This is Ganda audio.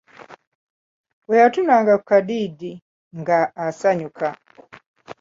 Bwe yatunulanga ku Kadiidi nga asanyuka